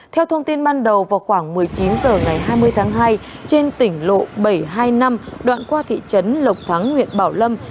theo thông tin ban đầu vào khoảng một mươi chín h ngày hai mươi tháng hai trên tỉnh lộ bảy trăm hai mươi năm đoạn qua thị trấn lộc thắng huyện bảo lâm